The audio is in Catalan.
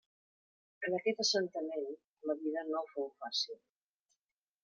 En aquest assentament la vida no fou fàcil.